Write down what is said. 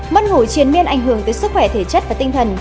mất ngủ triển miên ảnh hưởng tới sức khỏe thể chất và tinh thần